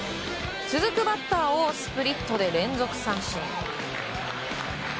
続くバッターをスプリットで連続三振。